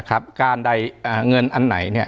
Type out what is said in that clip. นะครับการได้เงินอันไหนเนี่ย